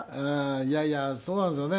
いやいやそうなんですよね。